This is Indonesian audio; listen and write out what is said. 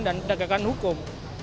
dan pendagangan hukum